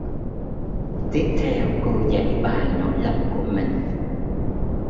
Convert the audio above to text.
Tiếp theo cô dãy bày nỗi lòng của mình